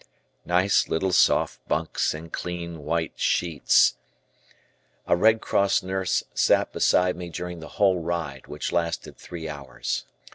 Nice little soft bunks and clean, white sheets. A Red Cross nurse sat beside me during the whole ride which lasted three hours.